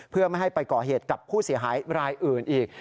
เพื่อไม่ให้ไปก่อเหตุกับผู้เสียหายรายอื่นอีก